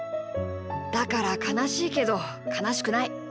だからかなしいけどかなしくない。